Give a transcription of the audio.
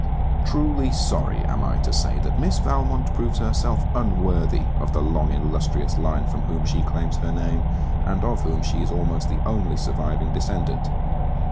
Truly sorry am I to say that Miss Valmont proves herself unworthy of the long illustrious line from whom she claims her name, and of whom she is almost the only surviving descendant.